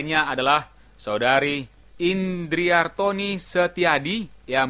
ya aku tahu yesus lindung